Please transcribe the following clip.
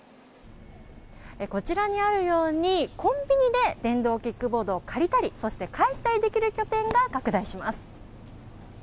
こちらにあるようにコンビニで電動キックボードを借りたりそして返したりできる拠点が拡大します。